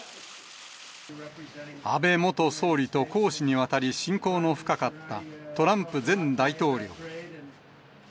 安倍元総理と公私にわたり親交の深かったトランプ前大統領。